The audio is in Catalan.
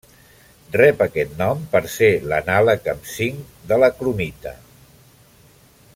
Rep aquest nom per ser l'anàleg amb zinc de la cromita.